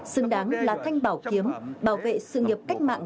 xứng đáng là thanh bảo kiếm bảo vệ sự nghiệp cách mạng